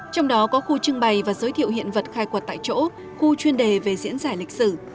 trong đó có khu trưng bày và giới thiệu hiện vật khai quật tại chỗ khu chuyên đề về diễn giải lịch sử